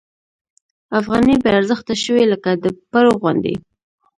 افغانۍ بې ارزښته شوې لکه د پړو غوندې.